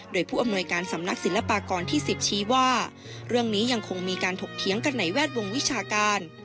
โดยผู้อำนวยการสำนักศิลปากรที่๑๐ชี้ว่าเรื่องนี้ยังคงมีการถกเถียงกันในแวดวงวิชาการ